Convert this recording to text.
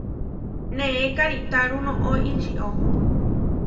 Neé karitáru noʼó ičió.